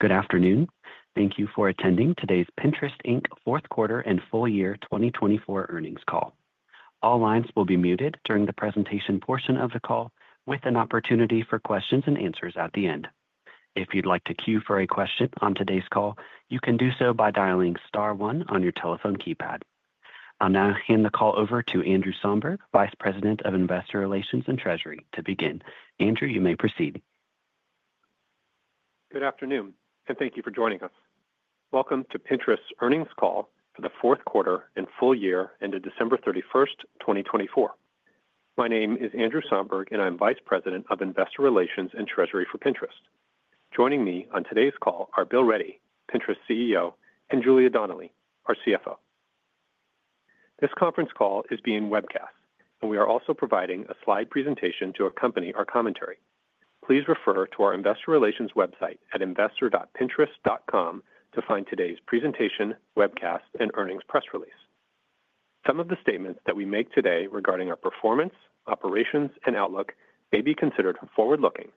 Good afternoon. Thank you for attending today's Pinterest, Inc. Fourth Quarter and Full Year 2024 earnings call. All lines will be muted during the presentation portion of the call, with an opportunity for questions and answers at the end. If you'd like to queue for a question on today's call, you can do so by dialing star one on your telephone keypad. I'll now hand the call over to Andrew Somberg, Vice President of Investor Relations and Treasury, to begin. Andrew, you may proceed. Good afternoon, and thank you for joining us. Welcome to Pinterest's earnings call for the fourth quarter and full year ended December 31st, 2024. My name is Andrew Somberg, and I'm Vice President of Investor Relations and Treasury for Pinterest. Joining me on today's call are Bill Ready, Pinterest CEO, and Julia Donnelly, our CFO. This conference call is being webcast, and we are also providing a slide presentation to accompany our commentary. Please refer to our Investor Relations website at investor.pinterest.com to find today's presentation, webcast, and earnings press release. Some of the statements that we make today regarding our performance, operations, and outlook may be considered forward-looking,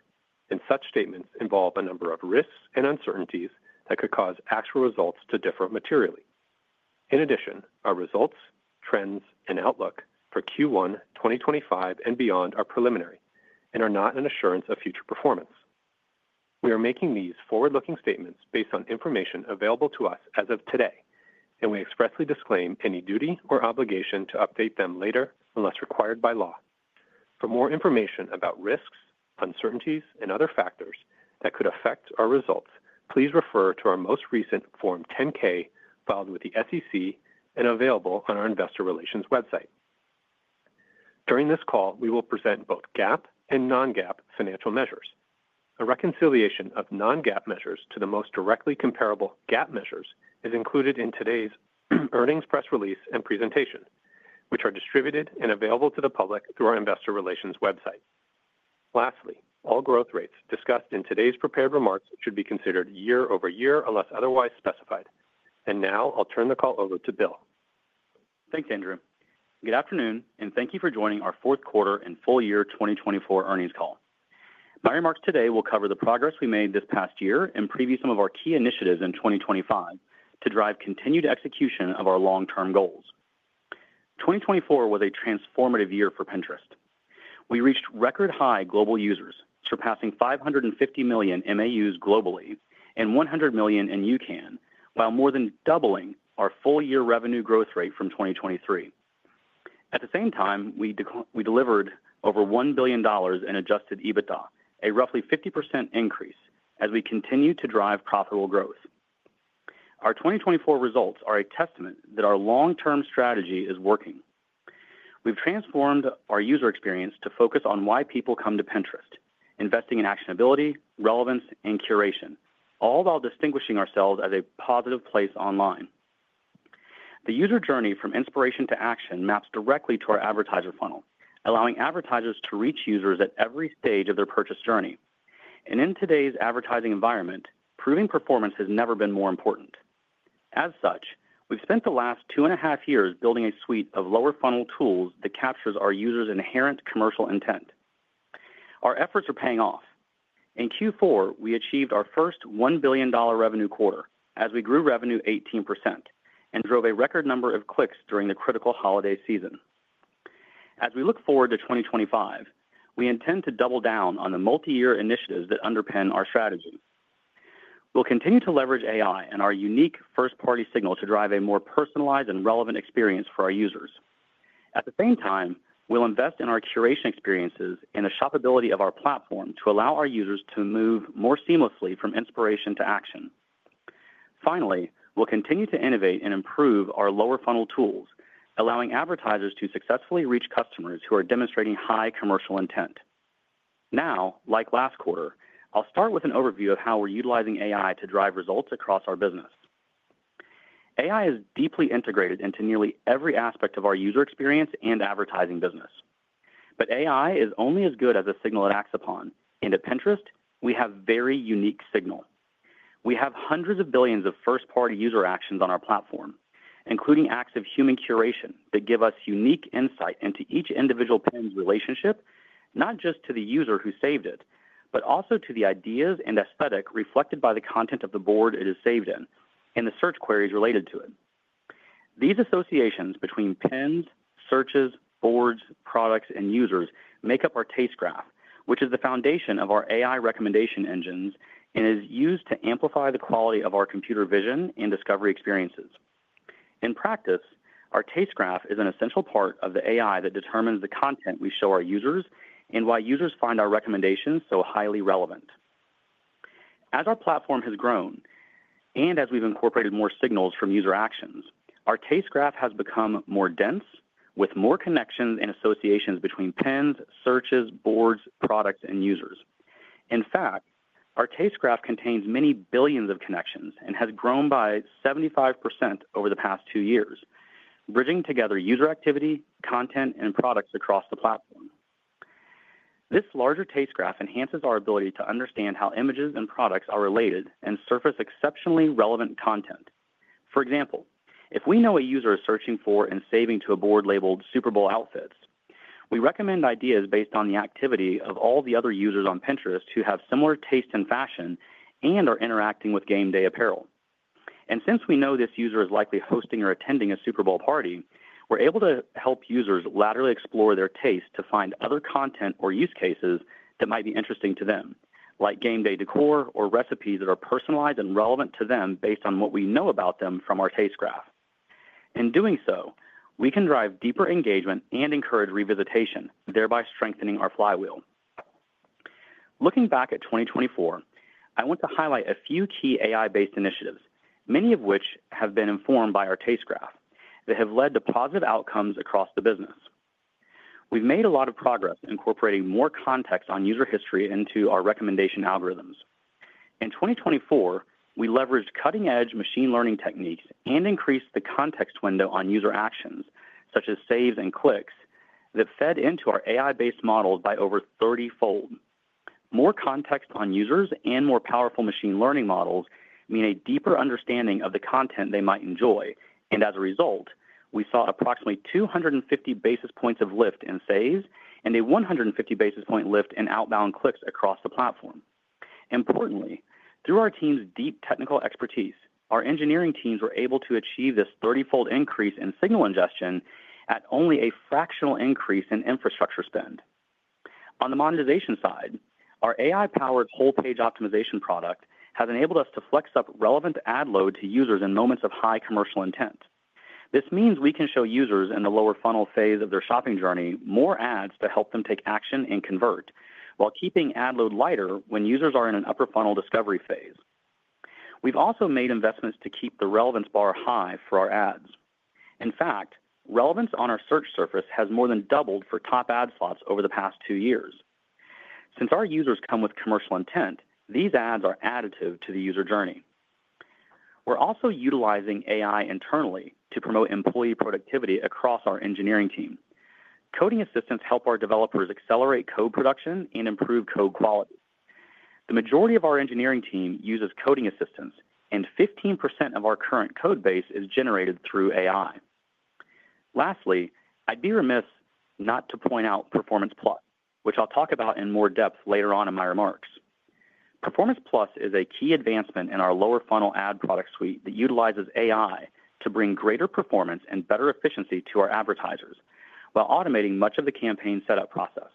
and such statements involve a number of risks and uncertainties that could cause actual results to differ materially. In addition, our results, trends, and outlook for Q1, 2025, and beyond are preliminary and are not an assurance of future performance. We are making these forward-looking statements based on information available to us as of today, and we expressly disclaim any duty or obligation to update them later unless required by law. For more information about risks, uncertainties, and other factors that could affect our results, please refer to our most recent Form 10-K filed with the SEC and available on our Investor Relations website. During this call, we will present both GAAP and non-GAAP financial measures. A reconciliation of non-GAAP measures to the most directly comparable GAAP measures is included in today's earnings press release and presentation, which are distributed and available to the public through our Investor Relations website. Lastly, all growth rates discussed in today's prepared remarks should be considered year-over-year unless otherwise specified, and now I'll turn the call over to Bill. Thanks, Andrew. Good afternoon, and thank you for joining our fourth quarter and full year 2024 earnings call. My remarks today will cover the progress we made this past year and preview some of our key initiatives in 2025 to drive continued execution of our long-term goals. 2024 was a transformative year for Pinterest. We reached record-high global users, surpassing 550 million MAUs globally and 100 million in UCAN, while more than doubling our full-year revenue growth rate from 2023. At the same time, we delivered over $1 billion in Adjusted EBITDA, a roughly 50% increase, as we continue to drive profitable growth. Our 2024 results are a testament that our long-term strategy is working. We've transformed our user experience to focus on why people come to Pinterest, investing in actionability, relevance, and curation, all while distinguishing ourselves as a positive place online. The user journey from inspiration to action maps directly to our advertiser funnel, allowing advertisers to reach users at every stage of their purchase journey. And in today's advertising environment, proving performance has never been more important. As such, we've spent the last two and a half years building a suite of lower-funnel tools that captures our users' inherent commercial intent. Our efforts are paying off. In Q4, we achieved our first $1 billion revenue quarter, as we grew revenue 18% and drove a record number of clicks during the critical holiday season. As we look forward to 2025, we intend to double down on the multi-year initiatives that underpin our strategy. We'll continue to leverage AI and our unique first-party signal to drive a more personalized and relevant experience for our users. At the same time, we'll invest in our curation experiences and the shoppability of our platform to allow our users to move more seamlessly from inspiration to action. Finally, we'll continue to innovate and improve our lower-funnel tools, allowing advertisers to successfully reach customers who are demonstrating high commercial intent. Now, like last quarter, I'll start with an overview of how we're utilizing AI to drive results across our business. AI is deeply integrated into nearly every aspect of our user experience and advertising business. But AI is only as good as the signal it acts upon, and at Pinterest, we have very unique signal. We have hundreds of billions of first-party user actions on our platform, including acts of human curation that give us unique insight into each individual pin's relationship, not just to the user who saved it, but also to the ideas and aesthetic reflected by the content of the board it is saved in and the search queries related to it. These associations between pins, searches, boards, products, and users make up our Taste Graph, which is the foundation of our AI recommendation engines and is used to amplify the quality of our computer vision and discovery experiences. In practice, our Taste Graph is an essential part of the AI that determines the content we show our users and why users find our recommendations so highly relevant. As our platform has grown and as we've incorporated more signals from user actions, our Taste Graph has become more dense, with more connections and associations between pins, searches, boards, products, and users. In fact, our Taste Graph contains many billions of connections and has grown by 75% over the past two years, bridging together user activity, content, and products across the platform. This larger Taste Graph enhances our ability to understand how images and products are related and surface exceptionally relevant content. For example, if we know a user is searching for and saving to a board labeled Super Bowl outfits, we recommend ideas based on the activity of all the other users on Pinterest who have similar taste and fashion and are interacting with game day apparel. Since we know this user is likely hosting or attending a Super Bowl party, we're able to help users laterally explore their taste to find other content or use cases that might be interesting to them, like game day decor or recipes that are personalized and relevant to them based on what we know about them from our Taste Graph. In doing so, we can drive deeper engagement and encourage revisitation, thereby strengthening our flywheel. Looking back at 2024, I want to highlight a few key AI-based initiatives, many of which have been informed by our Taste Graph, that have led to positive outcomes across the business. We've made a lot of progress incorporating more context on user history into our recommendation algorithms. In 2024, we leveraged cutting-edge machine learning techniques and increased the context window on user actions, such as saves and clicks, that fed into our AI-based models by over 30-fold. More context on users and more powerful machine learning models mean a deeper understanding of the content they might enjoy, and as a result, we saw approximately 250 basis points of lift in saves and a 150 basis point lift in outbound clicks across the platform. Importantly, through our team's deep technical expertise, our engineering teams were able to achieve this 30-fold increase in signal ingestion at only a fractional increase in infrastructure spend. On the monetization side, our AI-powered Whole-Page Optimization product has enabled us to flex up relevant ad load to users in moments of high commercial intent. This means we can show users in the lower funnel phase of their shopping journey more ads to help them take action and convert, while keeping ad load lighter when users are in an upper funnel discovery phase. We've also made investments to keep the relevance bar high for our ads. In fact, relevance on our search surface has more than doubled for top ad slots over the past two years. Since our users come with commercial intent, these ads are additive to the user journey. We're also utilizing AI internally to promote employee productivity across our engineering team. Coding assistants help our developers accelerate code production and improve code quality. The majority of our engineering team uses coding assistants, and 15% of our current code base is generated through AI. Lastly, I'd be remiss not to point out Performance Plus, which I'll talk about in more depth later on in my remarks. Performance Plus is a key advancement in our lower funnel ad product suite that utilizes AI to bring greater performance and better efficiency to our advertisers while automating much of the campaign setup process.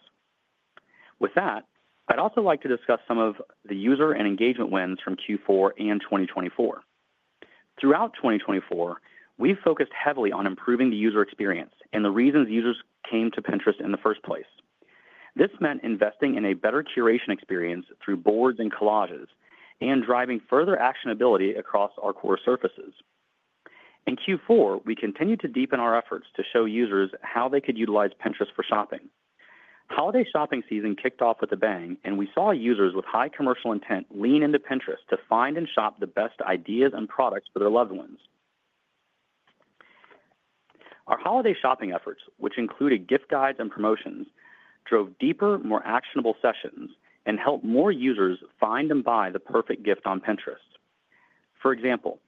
With that, I'd also like to discuss some of the user and engagement wins from Q4 and 2024. Throughout 2024, we focused heavily on improving the user experience and the reasons users came to Pinterest in the first place. This meant investing in a better curation experience through boards and collages and driving further actionability across our core surfaces. In Q4, we continued to deepen our efforts to show users how they could utilize Pinterest for shopping. Holiday shopping season kicked off with a bang, and we saw users with high commercial intent lean into Pinterest to find and shop the best ideas and products for their loved ones. Our holiday shopping efforts, which included gift guides and promotions, drove deeper, more actionable sessions and helped more users find and buy the perfect gift on Pinterest. For example,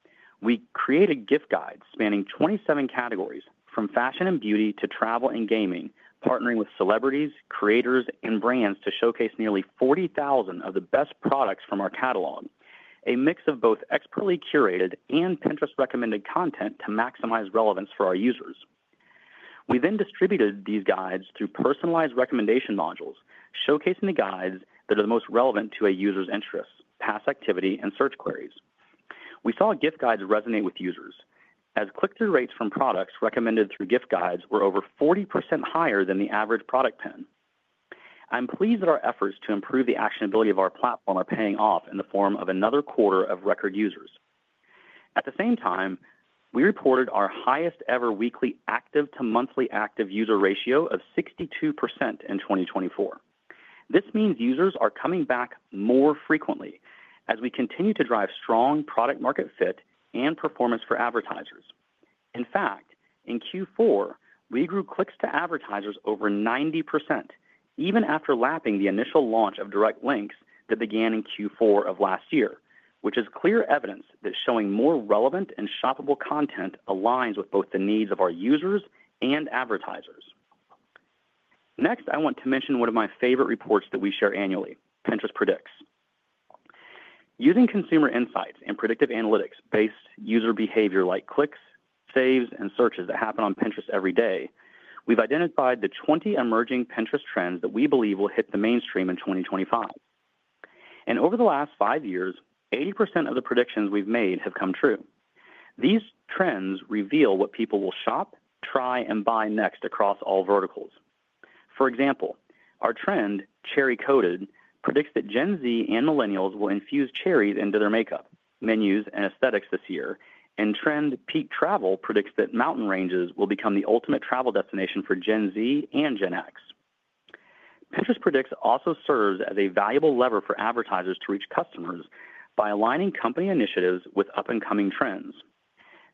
we created gift guides spanning 27 categories, from fashion and beauty to travel and gaming, partnering with celebrities, creators, and brands to showcase nearly 40,000 of the best products from our catalog, a mix of both expertly curated and Pinterest-recommended content to maximize relevance for our users. We then distributed these guides through personalized recommendation modules, showcasing the guides that are the most relevant to a user's interests, past activity, and search queries. We saw gift guides resonate with users, as click-through rates from products recommended through gift guides were over 40% higher than the average product pin. I'm pleased that our efforts to improve the actionability of our platform are paying off in the form of another quarter of record users. At the same time, we reported our highest-ever weekly active to monthly active user ratio of 62% in 2024. This means users are coming back more frequently as we continue to drive strong product-market fit and performance for advertisers. In fact, in Q4, we grew clicks to advertisers over 90%, even after lapping the initial launch of Direct Links that began in Q4 of last year, which is clear evidence that showing more relevant and shoppable content aligns with both the needs of our users and advertisers. Next, I want to mention one of my favorite reports that we share annually, Pinterest Predicts. Using consumer insights and predictive analytics-based user behavior like clicks, saves, and searches that happen on Pinterest every day, we've identified the 20 emerging Pinterest trends that we believe will hit the mainstream in 2025. And over the last five years, 80% of the predictions we've made have come true. These trends reveal what people will shop, try, and buy next across all verticals. For example, our trend, Cherry Coded, predicts that Gen Z and Millennials will infuse cherries into their makeup, menus, and aesthetics this year, and trend, Peak Travel, predicts that mountain ranges will become the ultimate travel destination for Gen Z and Gen X. Pinterest Predicts also serves as a valuable lever for advertisers to reach customers by aligning company initiatives with up-and-coming trends.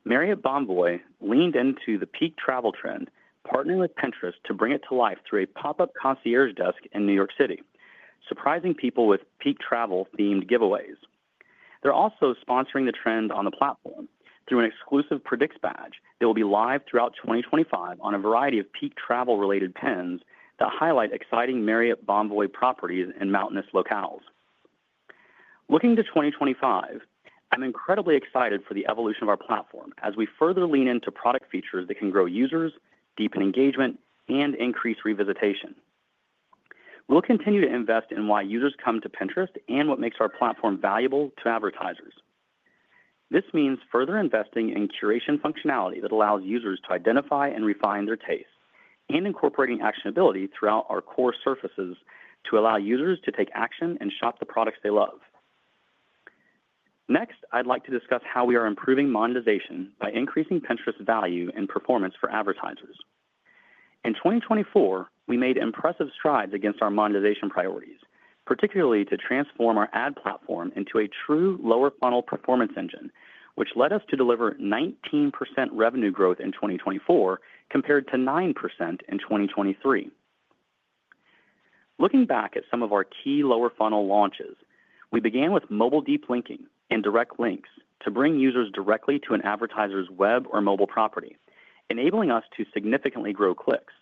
Marriott Bonvoy leaned into the Peak Travel trend, partnering with Pinterest to bring it to life through a pop-up concierge desk in New York City, surprising people with Peak Travel-themed giveaways. They're also sponsoring the trend on the platform through an exclusive Predicts badge that will be live throughout 2025 on a variety of Peak Travel-related pins that highlight exciting Marriott Bonvoy properties in mountainous locales. Looking to 2025, I'm incredibly excited for the evolution of our platform as we further lean into product features that can grow users, deepen engagement, and increase revisitation. We'll continue to invest in why users come to Pinterest and what makes our platform valuable to advertisers. This means further investing in curation functionality that allows users to identify and refine their tastes and incorporating actionability throughout our core surfaces to allow users to take action and shop the products they love. Next, I'd like to discuss how we are improving monetization by increasing Pinterest value and performance for advertisers. In 2024, we made impressive strides against our monetization priorities, particularly to transform our ad platform into a true lower-funnel performance engine, which led us to deliver 19% revenue growth in 2024 compared to 9% in 2023. Looking back at some of our key lower-funnel launches, we began with mobile deep linking and Direct Links to bring users directly to an advertiser's web or mobile property, enabling us to significantly grow clicks.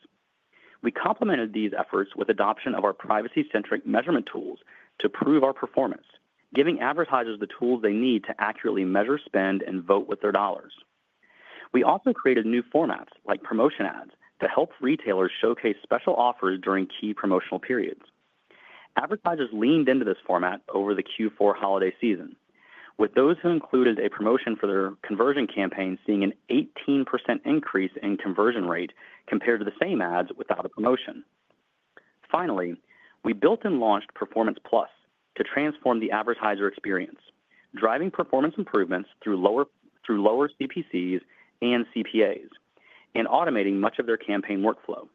We complemented these efforts with adoption of our privacy-centric measurement tools to prove our performance, giving advertisers the tools they need to accurately measure, spend, and vote with their dollars. We also created new formats like promotion ads that help retailers showcase special offers during key promotional periods. Advertisers leaned into this format over the Q4 holiday season, with those who included a promotion for their conversion campaign seeing an 18% increase in conversion rate compared to the same ads without a promotion. Finally, we built and launched Performance Plus to transform the advertiser experience, driving performance improvements through lower CPCs and CPAs and automating much of their campaign workflow.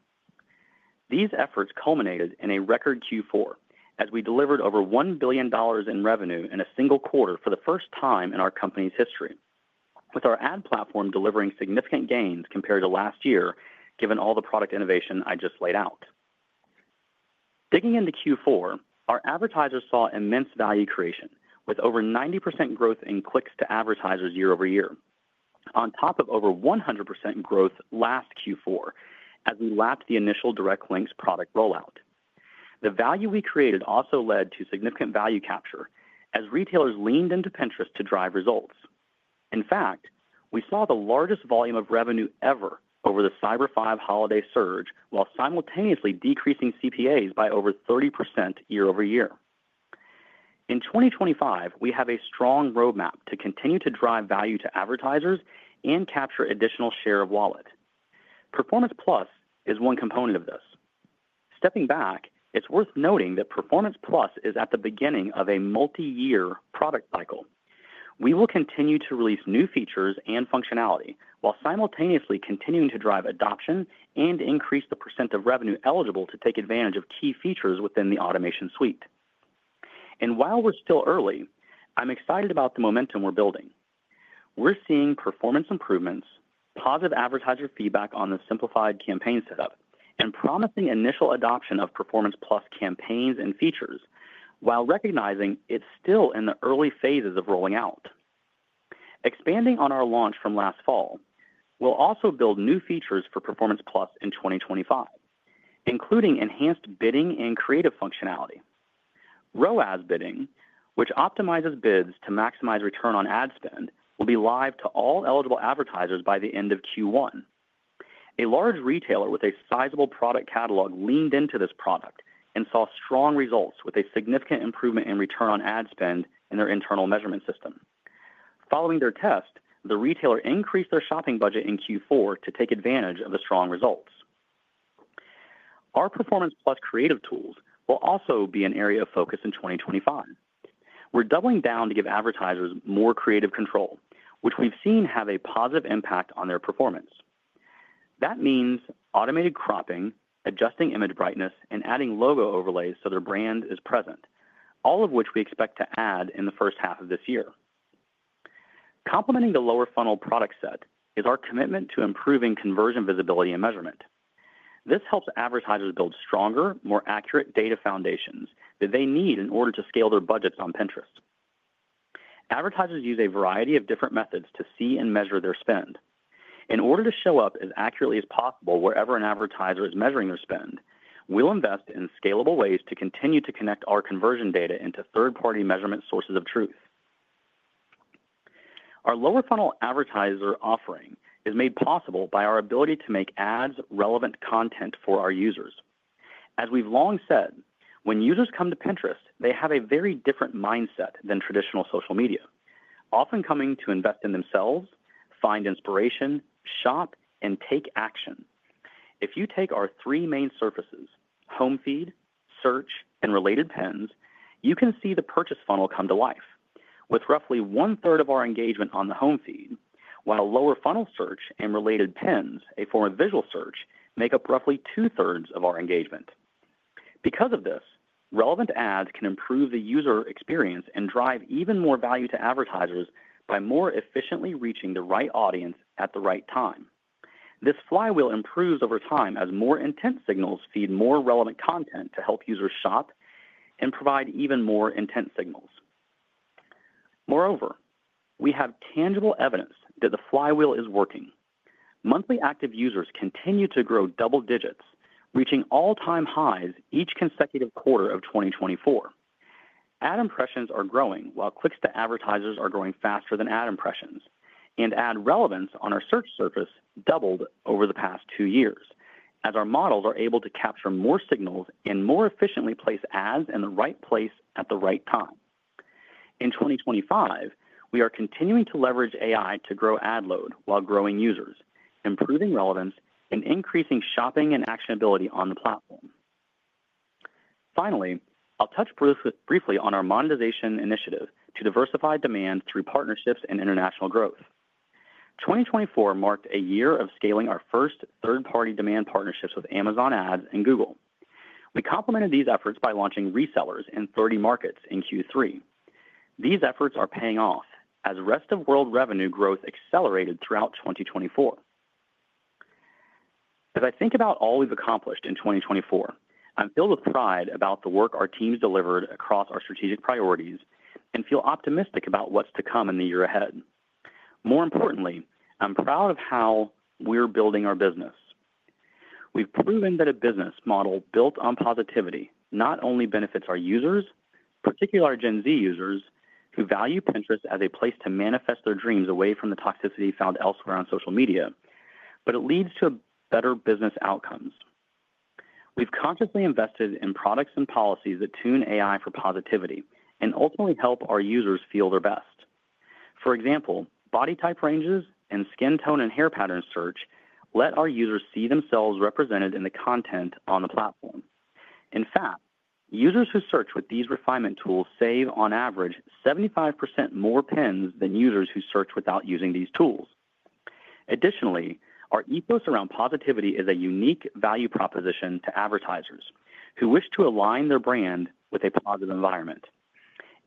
These efforts culminated in a record Q4 as we delivered over $1 billion in revenue in a single quarter for the first time in our company's history, with our ad platform delivering significant gains compared to last year, given all the product innovation I just laid out. Digging into Q4, our advertisers saw immense value creation, with over 90% growth in clicks to advertisers year-over-year, on top of over 100% growth last Q4 as we lapped the initial Direct Links product rollout. The value we created also led to significant value capture as retailers leaned into Pinterest to drive results. In fact, we saw the largest volume of revenue ever over the Cyber Five holiday surge while simultaneously decreasing CPAs by over 30% year-over-year. In 2025, we have a strong roadmap to continue to drive value to advertisers and capture additional share of wallet. Performance Plus is one component of this. Stepping back, it's worth noting that Performance Plus is at the beginning of a multi-year product cycle. We will continue to release new features and functionality while simultaneously continuing to drive adoption and increase the percent of revenue eligible to take advantage of key features within the automation suite, and while we're still early, I'm excited about the momentum we're building. We're seeing performance improvements, positive advertiser feedback on the simplified campaign setup, and promising initial adoption of Performance Plus campaigns and features while recognizing it's still in the early phases of rolling out. Expanding on our launch from last fall, we'll also build new features for Performance Plus in 2025, including enhanced bidding and creative functionality. ROAS bidding, which optimizes bids to maximize return on ad spend, will be live to all eligible advertisers by the end of Q1. A large retailer with a sizable product catalog leaned into this product and saw strong results with a significant improvement in return on ad spend in their internal measurement system. Following their test, the retailer increased their shopping budget in Q4 to take advantage of the strong results. Our Performance Plus creative tools will also be an area of focus in 2025. We're doubling down to give advertisers more creative control, which we've seen have a positive impact on their performance. That means automated cropping, adjusting image brightness, and adding logo overlays so their brand is present, all of which we expect to add in the first half of this year. Complementing the lower funnel product set is our commitment to improving conversion visibility and measurement. This helps advertisers build stronger, more accurate data foundations that they need in order to scale their budgets on Pinterest. Advertisers use a variety of different methods to see and measure their spend. In order to show up as accurately as possible wherever an advertiser is measuring their spend, we'll invest in scalable ways to continue to connect our conversion data into third-party measurement sources of truth. Our lower funnel advertiser offering is made possible by our ability to make ads relevant content for our users. As we've long said, when users come to Pinterest, they have a very different mindset than traditional social media, often coming to invest in themselves, find inspiration, shop, and take action. If you take our three main surfaces, home feed, search, and related pins, you can see the purchase funnel come to life, with roughly one-third of our engagement on the home feed, while lower funnel search and related pins, a form of visual search, make up roughly two-thirds of our engagement. Because of this, relevant ads can improve the user experience and drive even more value to advertisers by more efficiently reaching the right audience at the right time. This flywheel improves over time as more intent signals feed more relevant content to help users shop and provide even more intent signals. Moreover, we have tangible evidence that the flywheel is working. Monthly active users continue to grow double digits, reaching all-time highs each consecutive quarter of 2024. Ad impressions are growing while clicks to advertisers are growing faster than ad impressions, and ad relevance on our search surface doubled over the past two years as our models are able to capture more signals and more efficiently place ads in the right place at the right time. In 2025, we are continuing to leverage AI to grow ad load while growing users, improving relevance, and increasing shopping and actionability on the platform. Finally, I'll touch briefly on our monetization initiative to diversify demand through partnerships and international growth. 2024 marked a year of scaling our first third-party demand partnerships with Amazon Ads and Google. We complemented these efforts by launching resellers in 30 markets in Q3. These efforts are paying off as rest-of-world revenue growth accelerated throughout 2024. As I think about all we've accomplished in 2024, I'm filled with pride about the work our teams delivered across our strategic priorities and feel optimistic about what's to come in the year ahead. More importantly, I'm proud of how we're building our business. We've proven that a business model built on positivity not only benefits our users, particularly our Gen Z users who value Pinterest as a place to manifest their dreams away from the toxicity found elsewhere on social media, but it leads to better business outcomes. We've consciously invested in products and policies that tune AI for positivity and ultimately help our users feel their best. For example, body type ranges and skin tone and hair pattern search let our users see themselves represented in the content on the platform. In fact, users who search with these refinement tools save, on average, 75% more pins than users who search without using these tools. Additionally, our ethos around positivity is a unique value proposition to advertisers who wish to align their brand with a positive environment.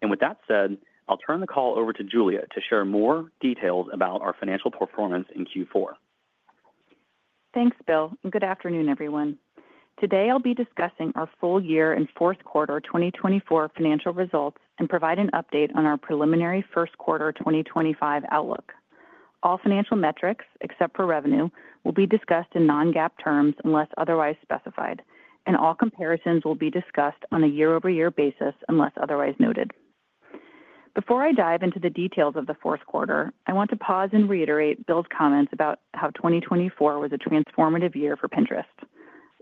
And with that said, I'll turn the call over to Julia to share more details about our financial performance in Q4. Thanks, Bill. And good afternoon, everyone. Today, I'll be discussing our full year and fourth quarter 2024 financial results and provide an update on our preliminary first quarter 2025 outlook. All financial metrics, except for revenue, will be discussed in non-GAAP terms unless otherwise specified, and all comparisons will be discussed on a year-over-year basis unless otherwise noted. Before I dive into the details of the fourth quarter, I want to pause and reiterate Bill's comments about how 2024 was a transformative year for Pinterest.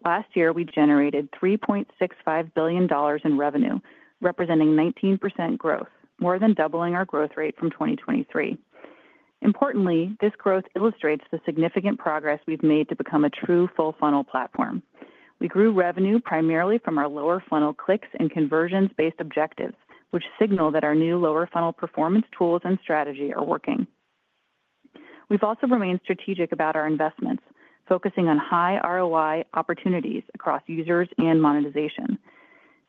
Last year, we generated $3.65 billion in revenue, representing 19% growth, more than doubling our growth rate from 2023. Importantly, this growth illustrates the significant progress we've made to become a true full-funnel platform. We grew revenue primarily from our lower funnel clicks and conversions-based objectives, which signal that our new lower funnel performance tools and strategy are working. We've also remained strategic about our investments, focusing on high ROI opportunities across users and monetization.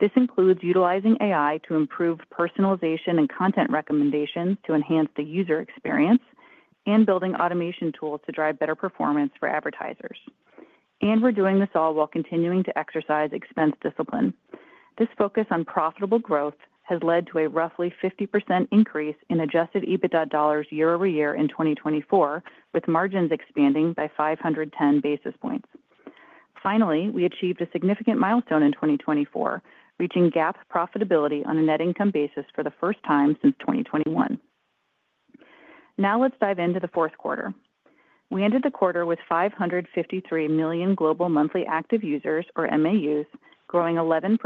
This includes utilizing AI to improve personalization and content recommendations to enhance the user experience and building automation tools to drive better performance for advertisers and we're doing this all while continuing to exercise expense discipline. This focus on profitable growth has led to a roughly 50% increase in adjusted EBITDA dollars year-over-year in 2024, with margins expanding by 510 basis points. Finally, we achieved a significant milestone in 2024, reaching GAAP profitability on a net income basis for the first time since 2021. Now let's dive into the fourth quarter. We ended the quarter with 553 million global monthly active users, or MAUs, growing 11%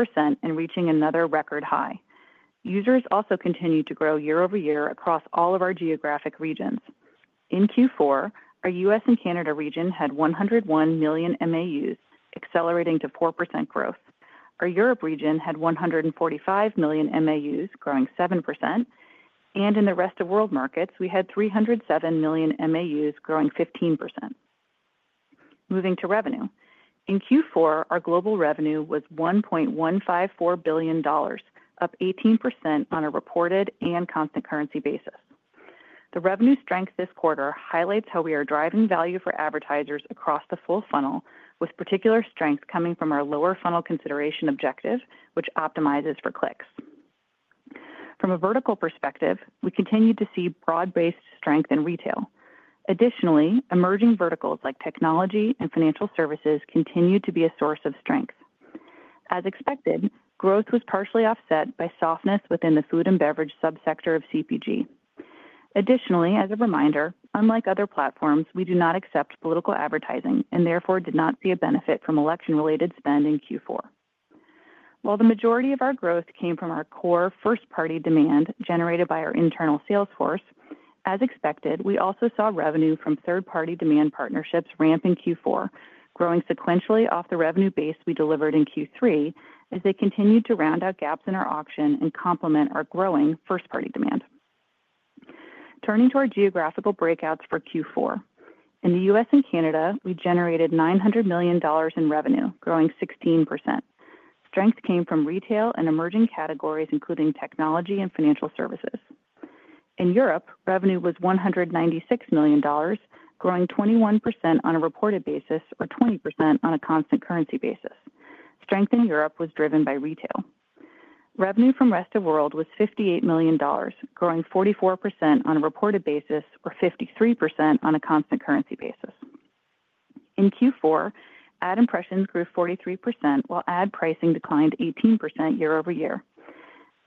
and reaching another record high. Users also continued to grow year-over-year across all of our geographic regions. In Q4, our U.S. and Canada region had 101 million MAUs, accelerating to 4% growth. Our Europe region had 145 million MAUs, growing 7%. And in the rest of world markets, we had 307 million MAUs, growing 15%. Moving to revenue, in Q4, our global revenue was $1.154 billion, up 18% on a reported and constant currency basis. The revenue strength this quarter highlights how we are driving value for advertisers across the full funnel, with particular strength coming from our lower funnel consideration objective, which optimizes for clicks. From a vertical perspective, we continue to see broad-based strength in retail. Additionally, emerging verticals like technology and financial services continue to be a source of strength. As expected, growth was partially offset by softness within the food and beverage subsector of CPG. Additionally, as a reminder, unlike other platforms, we do not accept political advertising and therefore did not see a benefit from election-related spend in Q4. While the majority of our growth came from our core first-party demand generated by our internal sales force, as expected, we also saw revenue from third-party demand partnerships ramp in Q4, growing sequentially off the revenue base we delivered in Q3 as they continued to round out gaps in our auction and complement our growing first-party demand. Turning to our geographical breakouts for Q4, in the U.S. and Canada, we generated $900 million in revenue, growing 16%. Strength came from retail and emerging categories, including technology and financial services. In Europe, revenue was $196 million, growing 21% on a reported basis or 20% on a constant currency basis. Strength in Europe was driven by retail. Revenue from rest of world was $58 million, growing 44% on a reported basis or 53% on a constant currency basis. In Q4, ad impressions grew 43%, while ad pricing declined 18% year-over-year.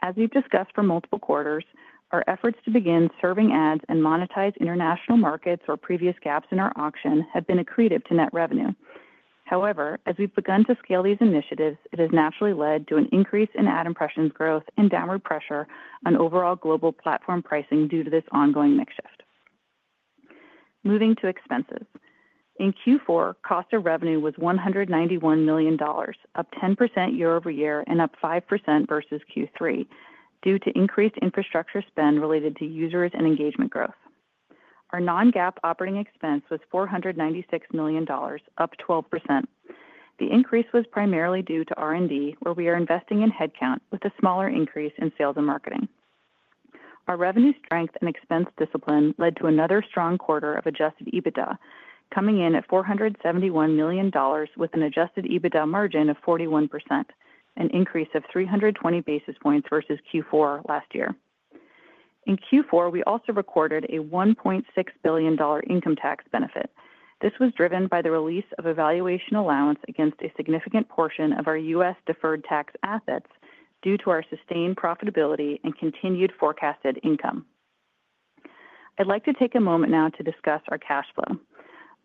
As we've discussed for multiple quarters, our efforts to begin serving ads and monetize international markets or our previous gaps in our auction have been accretive to net revenue. However, as we've begun to scale these initiatives, it has naturally led to an increase in ad impressions growth and downward pressure on overall global platform pricing due to this ongoing mix shift. Moving to expenses. In Q4, cost of revenue was $191 million, up 10% year-over-year and up 5% versus Q3 due to increased infrastructure spend related to users and engagement growth. Our non-GAAP operating expense was $496 million, up 12%. The increase was primarily due to R&D, where we are investing in headcount with a smaller increase in sales and marketing. Our revenue strength and expense discipline led to another strong quarter of Adjusted EBITDA, coming in at $471 million with an Adjusted EBITDA margin of 41%, an increase of 320 basis points versus Q4 last year. In Q4, we also recorded a $1.6 billion income tax benefit. This was driven by the release of a valuation allowance against a significant portion of our U.S. deferred tax assets due to our sustained profitability and continued forecasted income. I'd like to take a moment now to discuss our cash flow.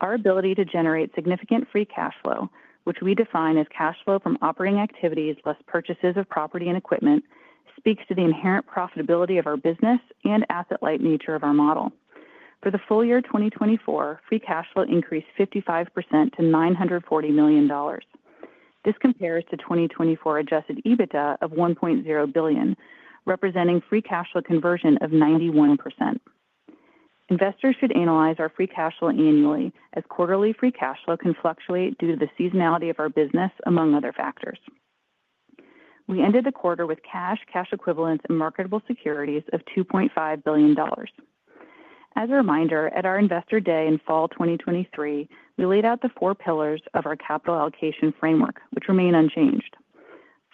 Our ability to generate significant free cash flow, which we define as cash flow from operating activities less purchases of property and equipment, speaks to the inherent profitability of our business and asset-light nature of our model. For the full year 2024, free cash flow increased 55% to $940 million. This compares to 2024 Adjusted EBITDA of $1.0 billion, representing free cash flow conversion of 91%. Investors should analyze our free cash flow annually, as quarterly free cash flow can fluctuate due to the seasonality of our business, among other factors. We ended the quarter with cash, cash equivalents, and marketable securities of $2.5 billion. As a reminder, at our investor day in fall 2023, we laid out the four pillars of our capital allocation framework, which remain unchanged.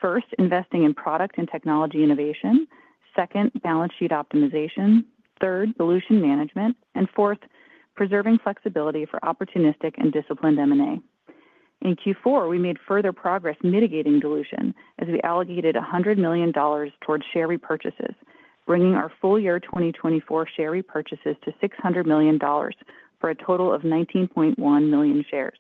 First, investing in product and technology innovation. Second, balance sheet optimization. Third, dilution management. And fourth, preserving flexibility for opportunistic and disciplined M&A. In Q4, we made further progress mitigating dilution as we allocated $100 million towards share repurchases, bringing our full year 2024 share repurchases to $600 million for a total of 19.1 million shares.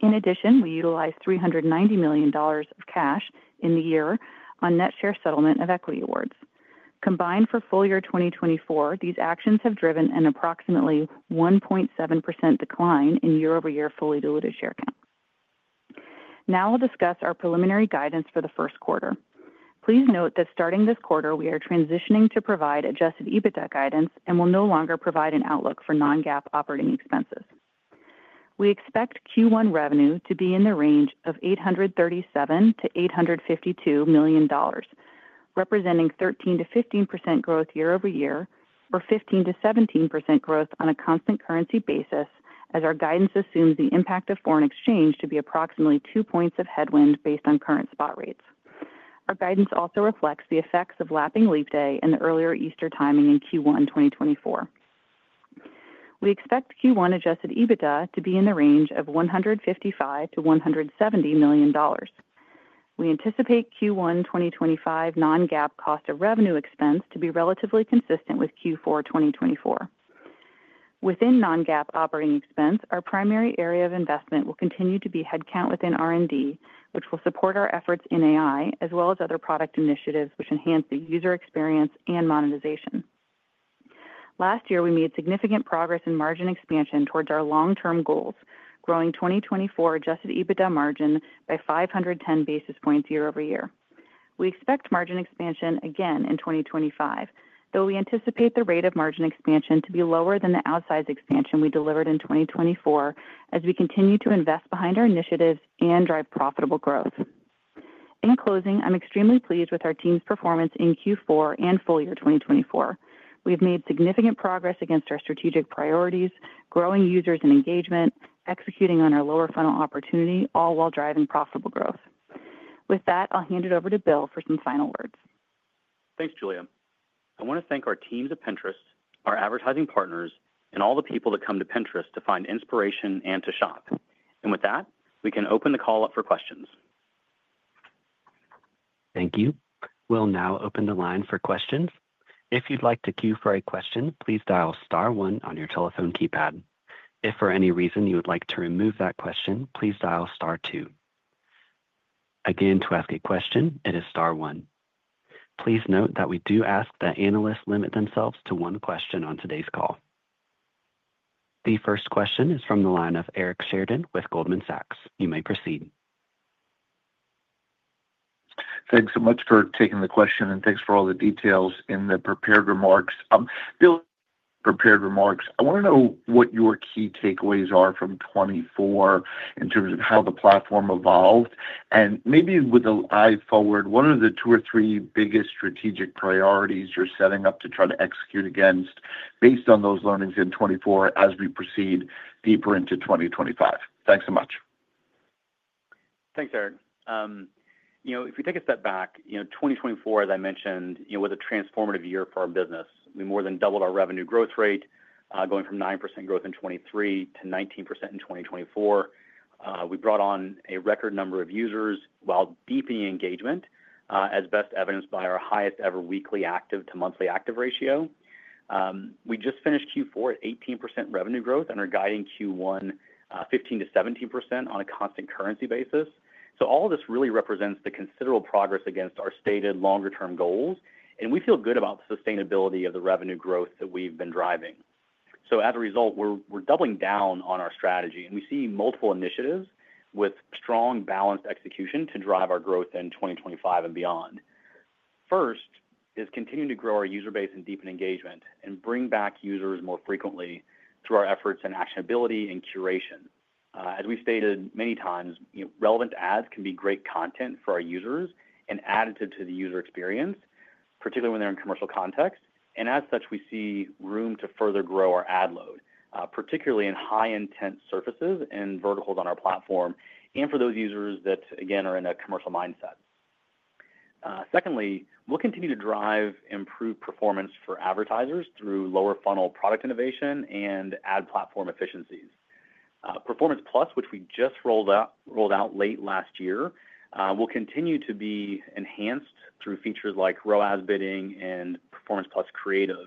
In addition, we utilized $390 million of cash in the year on net share settlement of equity awards. Combined for full year 2024, these actions have driven an approximately 1.7% decline in year-over-year fully diluted share count. Now I'll discuss our preliminary guidance for the first quarter. Please note that starting this quarter, we are transitioning to provide Adjusted EBITDA guidance and will no longer provide an outlook for non-GAAP operating expenses. We expect Q1 revenue to be in the range of $837-$852 million, representing 13%-15% growth year-over-year or 15%-17% growth on a constant currency basis, as our guidance assumes the impact of foreign exchange to be approximately two points of headwind based on current spot rates. Our guidance also reflects the effects of lapping leap day and the earlier Easter timing in Q1 2024. We expect Q1 Adjusted EBITDA to be in the range of $155-$170 million. We anticipate Q1 2025 Non-GAAP cost of revenue expense to be relatively consistent with Q4 2024. Within Non-GAAP operating expense, our primary area of investment will continue to be headcount within R&D, which will support our efforts in AI as well as other product initiatives which enhance the user experience and monetization. Last year, we made significant progress in margin expansion towards our long-term goals, growing 2024 Adjusted EBITDA margin by 510 basis points year-over-year. We expect margin expansion again in 2025, though we anticipate the rate of margin expansion to be lower than the outsize expansion we delivered in 2024 as we continue to invest behind our initiatives and drive profitable growth. In closing, I'm extremely pleased with our team's performance in Q4 and full year 2024. We have made significant progress against our strategic priorities, growing users and engagement, executing on our lower funnel opportunity, all while driving profitable growth. With that, I'll hand it over to Bill for some final words. Thanks, Julia. I want to thank our teams at Pinterest, our advertising partners, and all the people that come to Pinterest to find inspiration and to shop. And with that, we can open the call up for questions. Thank you. We'll now open the line for questions. If you'd like to queue for a question, please dial star one on your telephone keypad. If for any reason you would like to remove that question, please dial star two. Again, to ask a question, it is star one. Please note that we do ask that analysts limit themselves to one question on today's call. The first question is from the line of Eric Sheridan with Goldman Sachs. You may proceed. Thanks so much for taking the question, and thanks for all the details in the prepared remarks. Bill, prepared remarks. I want to know what your key takeaways are from 2024 in terms of how the platform evolved. And maybe with an eye forward, what are the two or three biggest strategic priorities you're setting up to try to execute against based on those learnings in 2024 as we proceed deeper into 2025? Thanks so much. Thanks, Eric. You know, if we take a step back, you know, 2024, as I mentioned, you know, was a transformative year for our business. We more than doubled our revenue growth rate, going from 9% growth in 2023 to 19% in 2024. We brought on a record number of users while deepening engagement, as best evidenced by our highest ever weekly active to monthly active ratio. We just finished Q4 at 18% revenue growth and are guiding Q1 15%-17% on a constant currency basis. So all of this really represents the considerable progress against our stated longer-term goals. And we feel good about the sustainability of the revenue growth that we've been driving. So as a result, we're doubling down on our strategy, and we see multiple initiatives with strong, balanced execution to drive our growth in 2025 and beyond. First is continuing to grow our user base and deepen engagement and bring back users more frequently through our efforts and actionability and curation. As we've stated many times, relevant ads can be great content for our users and additive to the user experience, particularly when they're in commercial context. And as such, we see room to further grow our ad load, particularly in high-intent surfaces and verticals on our platform and for those users that, again, are in a commercial mindset. Secondly, we'll continue to drive improved performance for advertisers through lower funnel product innovation and ad platform efficiencies. Performance Plus, which we just rolled out late last year, will continue to be enhanced through features like ROAS bidding and Performance Plus Creative.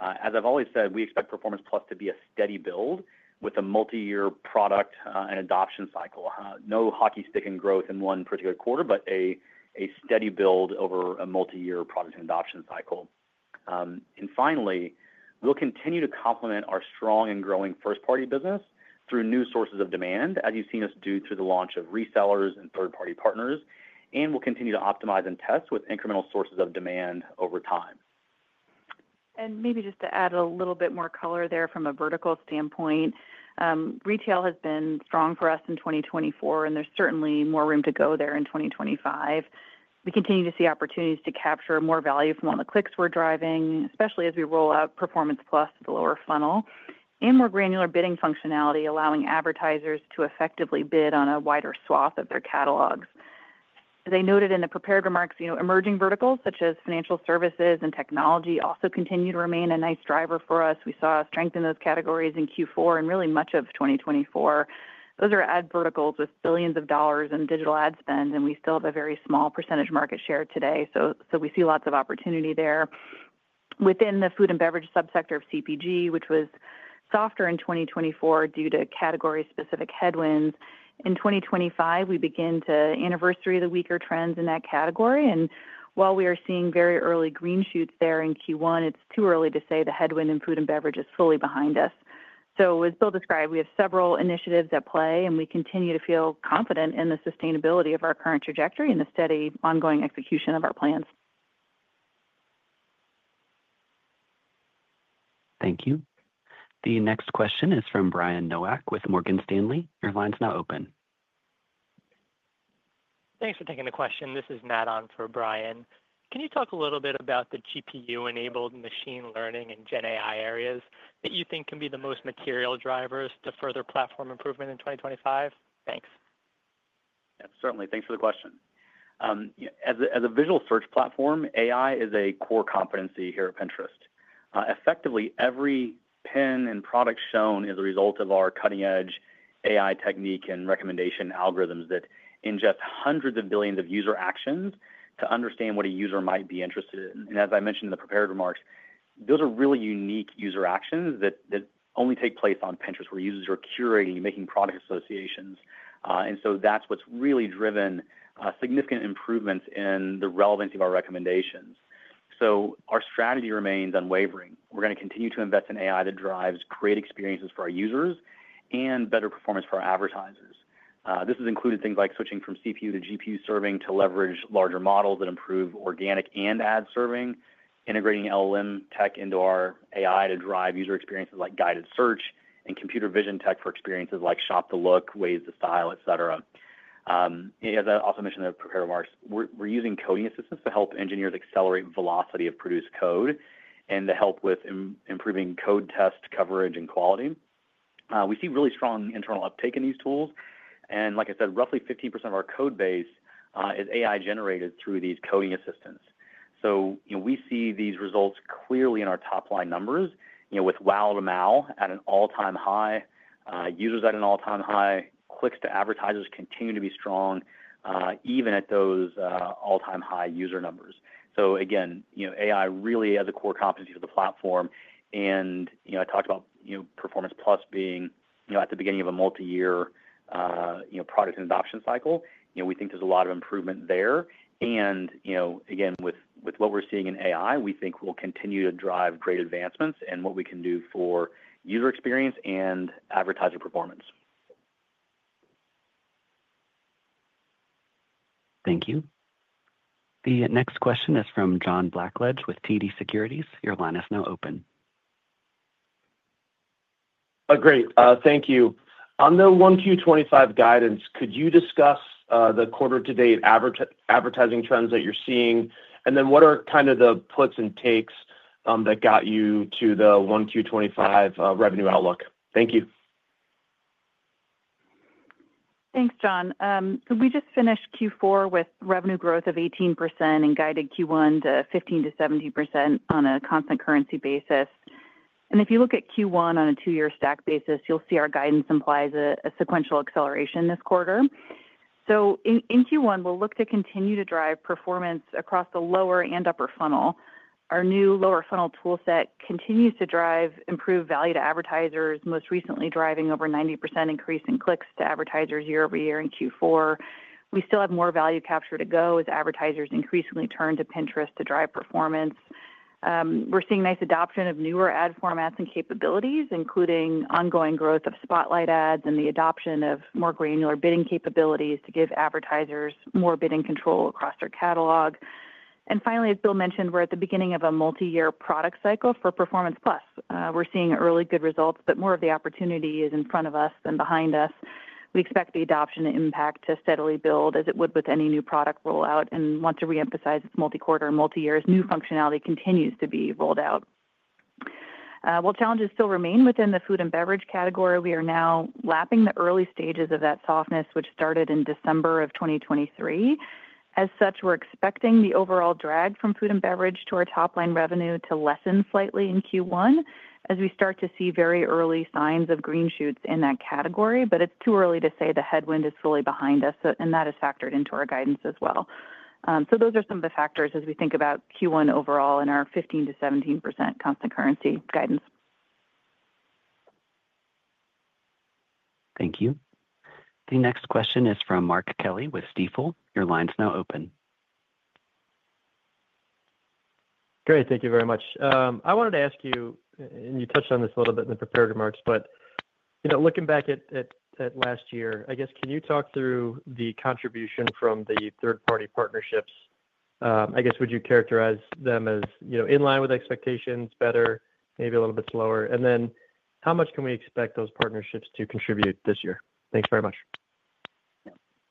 As I've always said, we expect Performance Plus to be a steady build with a multi-year product and adoption cycle. No hockey stick in growth in one particular quarter, but a steady build over a multi-year product and adoption cycle. And finally, we'll continue to complement our strong and growing first-party business through new sources of demand, as you've seen us do through the launch of resellers and third-party partners. We'll continue to optimize and test with incremental sources of demand over time. Maybe just to add a little bit more color there from a vertical standpoint, retail has been strong for us in 2024, and there's certainly more room to go there in 2025. We continue to see opportunities to capture more value from all the clicks we're driving, especially as we roll out Performance Plus to the lower funnel and more granular bidding functionality, allowing advertisers to effectively bid on a wider swath of their catalogs. As I noted in the prepared remarks, emerging verticals such as financial services and technology also continue to remain a nice driver for us. We saw a strength in those categories in Q4 and really much of 2024. Those are ad verticals with billions of dollars in digital ad spend, and we still have a very small percentage market share today. So we see lots of opportunity there. Within the food and beverage subsector of CPG, which was softer in 2024 due to category-specific headwinds, in 2025, we begin to anniversary the weaker trends in that category. And while we are seeing very early green shoots there in Q1, it's too early to say the headwind in food and beverage is fully behind us. So as Bill described, we have several initiatives at play, and we continue to feel confident in the sustainability of our current trajectory and the steady ongoing execution of our plans. Thank you. The next question is from Brian Nowak with Morgan Stanley. Your line's now open. Thanks for taking the question. This is Nat on for Brian. Can you talk a little bit about the GPU-enabled machine learning and Gen AI areas that you think can be the most material drivers to further platform improvement in 2025? Thanks. Yeah, certainly. Thanks for the question. As a visual search platform, AI is a core competency here at Pinterest. Effectively, every pin and product shown is a result of our cutting-edge AI technique and recommendation algorithms that ingest hundreds of billions of user actions to understand what a user might be interested in. And as I mentioned in the prepared remarks, those are really unique user actions that only take place on Pinterest, where users are curating, making product associations. And so that's what's really driven significant improvements in the relevance of our recommendations. So our strategy remains unwavering. We're going to continue to invest in AI that drives great experiences for our users and better performance for our advertisers. This has included things like switching from CPU to GPU serving to leverage larger models that improve organic and ad serving, integrating LLM tech into our AI to drive user experiences like guided search and computer vision tech for experiences like Shop the Look, Ways to Style, etc. As I also mentioned in the prepared remarks, we're using coding assistants to help engineers accelerate velocity of produced code and to help with improving code test coverage and quality. We see really strong internal uptake in these tools, and like I said, roughly 15% of our code base is AI-generated through these coding assistants. So we see these results clearly in our top-line numbers, with WAU to MAU at an all-time high, users at an all-time high, clicks to advertisers continue to be strong, even at those all-time high user numbers. So again, AI really is a core competency for the platform. And I talked about Performance Plus being at the beginning of a multi-year product and adoption cycle. We think there's a lot of improvement there. And again, with what we're seeing in AI, we think we'll continue to drive great advancements in what we can do for user experience and advertiser performance. Thank you. The next question is from John Blackledge with TD Securities. Your line is now open. Great. Thank you. On the 1Q25 guidance, could you discuss the quarter-to-date advertising trends that you're seeing, and then what are kind of the clicks and takes that got you to the 1Q25 revenue outlook? Thank you. Thanks, John. So we just finished Q4 with revenue growth of 18% and guided Q1 to 15%-70% on a constant currency basis. And if you look at Q1 on a two-year stack basis, you'll see our guidance implies a sequential acceleration this quarter. So in Q1, we'll look to continue to drive performance across the lower and upper funnel. Our new lower funnel toolset continues to drive improved value to advertisers, most recently driving over 90% increase in clicks to advertisers year-over-year in Q4. We still have more value capture to go as advertisers increasingly turn to Pinterest to drive performance. We're seeing nice adoption of newer ad formats and capabilities, including ongoing growth of Spotlight Ads and the adoption of more granular bidding capabilities to give advertisers more bidding control across their catalog. And finally, as Bill mentioned, we're at the beginning of a multi-year product cycle for Performance Plus. We're seeing early good results, but more of the opportunity is in front of us than behind us. We expect the adoption impact to steadily build as it would with any new product rollout. And want to reemphasize multi-quarter and multi-years, new functionality continues to be rolled out. While challenges still remain within the food and beverage category, we are now lapping the early stages of that softness, which started in December of 2023. As such, we're expecting the overall drag from food and beverage to our top-line revenue to lessen slightly in Q1 as we start to see very early signs of green shoots in that category. But it's too early to say the headwind is fully behind us, and that is factored into our guidance as well. So those are some of the factors as we think about Q1 overall in our 15%-17% constant currency guidance. Thank you. The next question is from Mark Kelley with Stifel. Your line's now open. Great. Thank you very much. I wanted to ask you, and you touched on this a little bit in the prepared remarks, but looking back at last year, I guess, can you talk through the contribution from the third-party partnerships? I guess, would you characterize them as in line with expectations, better, maybe a little bit slower? And then how much can we expect those partnerships to contribute this year?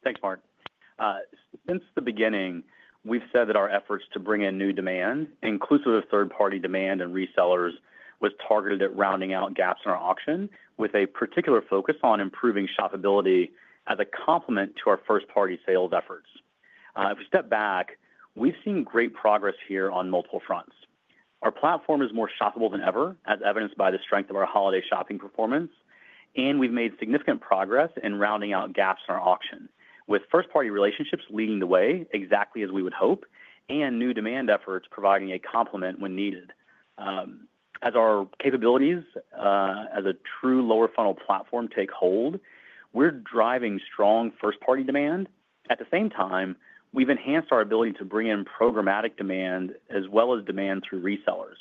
Thanks very much. Thanks, Mark. Since the beginning, we've said that our efforts to bring in new demand, inclusive of third-party demand and resellers, was targeted at rounding out gaps in our auction, with a particular focus on improving shoppability as a complement to our first-party sales efforts. If we step back, we've seen great progress here on multiple fronts. Our platform is more shoppable than ever, as evidenced by the strength of our holiday shopping performance. And we've made significant progress in rounding out gaps in our auction, with first-party relationships leading the way, exactly as we would hope, and new demand efforts providing a complement when needed. As our capabilities as a true lower funnel platform take hold, we're driving strong first-party demand. At the same time, we've enhanced our ability to bring in programmatic demand as well as demand through resellers.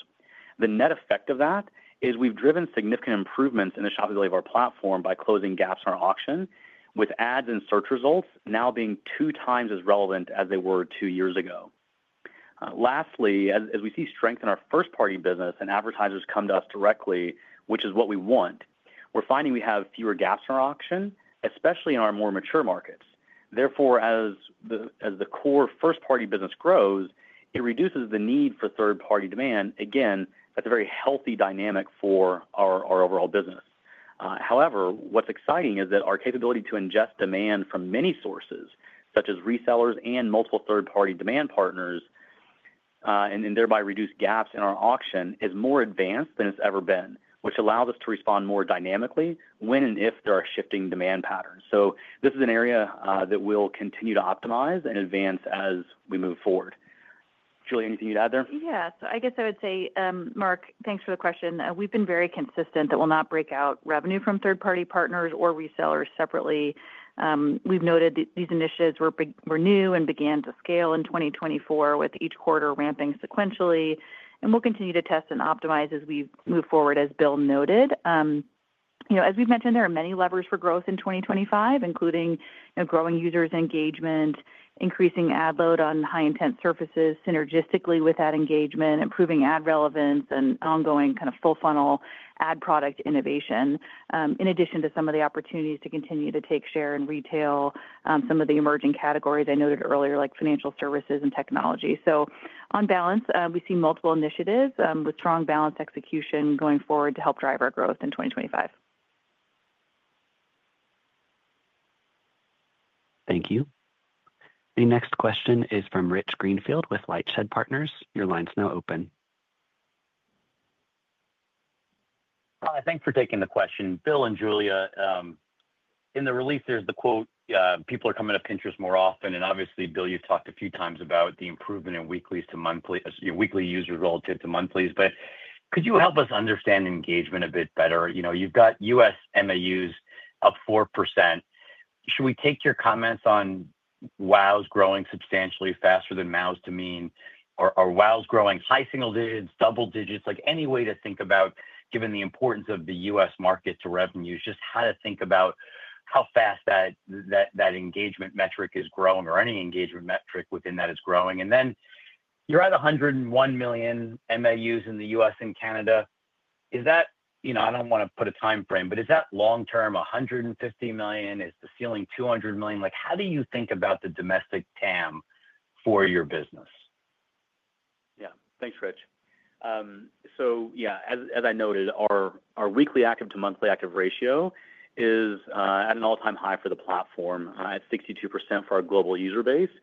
The net effect of that is we've driven significant improvements in the shoppability of our platform by closing gaps in our auction, with ads and search results now being two times as relevant as they were two years ago. Lastly, as we see strength in our first-party business and advertisers come to us directly, which is what we want, we're finding we have fewer gaps in our auction, especially in our more mature markets. Therefore, as the core first-party business grows, it reduces the need for third-party demand, again, that's a very healthy dynamic for our overall business. However, what's exciting is that our capability to ingest demand from many sources, such as resellers and multiple third-party demand partners, and thereby reduce gaps in our auction, is more advanced than it's ever been, which allows us to respond more dynamically when and if there are shifting demand patterns, so this is an area that we'll continue to optimize and advance as we move forward. Julia, anything you'd add there? Yeah, so I guess I would say, Mark, thanks for the question. We've been very consistent that we'll not break out revenue from third-party partners or resellers separately. We've noted that these initiatives were new and began to scale in 2024, with each quarter ramping sequentially, and we'll continue to test and optimize as we move forward, as Bill noted. As we've mentioned, there are many levers for growth in 2025, including growing users' engagement, increasing ad load on high-intent surfaces synergistically with ad engagement, improving ad relevance, and ongoing kind of full-funnel ad product innovation, in addition to some of the opportunities to continue to take share in retail, some of the emerging categories I noted earlier, like financial services and technology. So on balance, we see multiple initiatives with strong balance execution going forward to help drive our growth in 2025. Thank you. The next question is from Rich Greenfield with LightShed Partners. Your line's now open. Thanks for taking the question. Bill and Julia, in the release, there's the quote, "People are coming to Pinterest more often." And obviously, Bill, you've talked a few times about the improvement in weekly users relative to monthlies. But could you help us understand engagement a bit better? You’ve got US MAUs up 4%. Should we take your comments on WAUs growing substantially faster than MAUs to mean WAUs growing high single digits, double digits, like any way to think about, given the importance of the US market to revenues, just how to think about how fast that engagement metric is growing or any engagement metric within that is growing? And then you’re at 101 million MAUs in the US and Canada. I don’t want to put a time frame, but is that long-term 150 million? Is the ceiling 200 million? How do you think about the domestic TAM for your business? Yeah. Thanks, Rich. So yeah, as I noted, our weekly active to monthly active ratio is at an all-time high for the platform at 62% for our global user base,